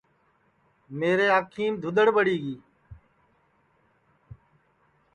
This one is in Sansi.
میرے انکھیم دھودؔڑ ٻڑی گی